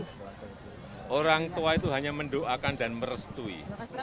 karena orang tua itu hanya mendoakan dan merestui